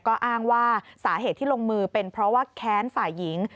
ก็อ้างว่าสาเหตุที่ลงมือเป็นเพราะว่าแค้นฝ่ายหญิง